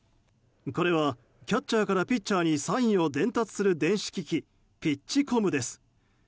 これは、キャッチャーからピッチャーにサインを伝達する電子機器、ピッチコムです。